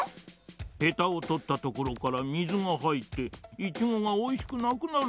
へたをとったところから水がはいってイチゴがおいしくなくなるんじゃよ。